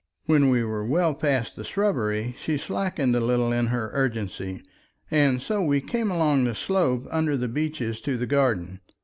When we were well past the shrubbery, she slackened a little in her urgency, and so we came along the slope under the beeches to the garden.